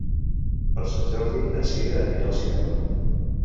Per Sant Jordi na Sira anirà al cinema.